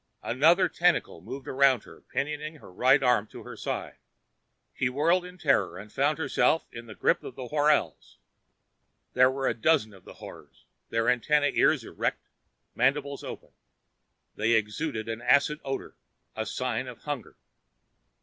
Another tentacle moved around her, pinioning her right arm to her side. She whirled in terror and found herself in the grip of the horals. There were a dozen of the horrors, their antenna ears erect, mandibles open. They exuded an acid odor, a sign of hunger.